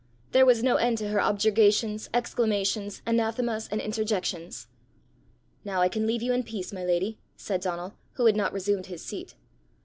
There was no end to her objurgations, exclamations, anathemas, and interjections. "Now I can leave you in peace, my lady!" said Donal, who had not resumed his seat.